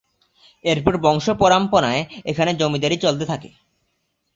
এরপর বংশপরামপনায় এখানে জমিদারি চলতে থাকে।